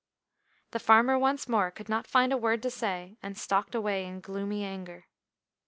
The farmer once more could not find a word to say, and stalked away in gloomy anger.